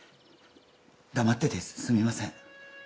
黙っててすみません